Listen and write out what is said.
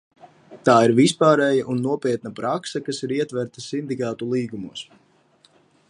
Tā ir vispārēja un nopietna prakse, kas ir ietverta sindikātu līgumos.